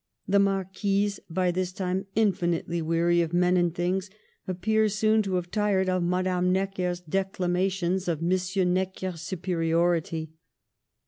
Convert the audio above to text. The marquise, by this time infinitely weary of men and things, appears soon to have tired of Madame Necker's declamations and M. Necker's superiority.